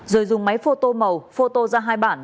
rồi dùng máy photo màu photo ra hai bản